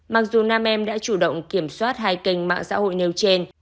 mặc dù nam em đã chủ động kiểm soát hai kênh mạng xã hội nêu trên